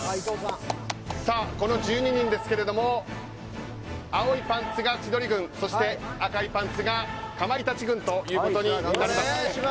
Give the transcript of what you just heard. この１２人ですけれども青いパンツが千鳥軍そして、赤いパンツがかまいたち軍となります。